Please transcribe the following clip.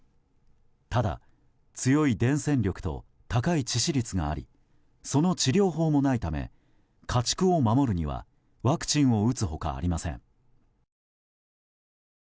ただ、強い伝染力と高い致死率がありその治療法もないため家畜を守るにはワクチンを打つ他ありません。